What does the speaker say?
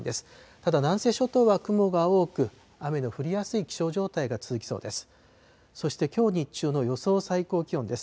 ただ南西諸島は雲が多く、雨の降りやすい気象状態が続きそうです。